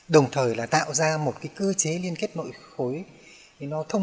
đồng thời tạo ra một cơ chế liên kết mọi khối